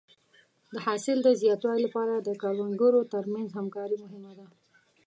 د حاصل د زیاتوالي لپاره د کروندګرو تر منځ همکاري مهمه ده.